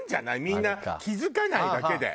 みんな気付かないだけで。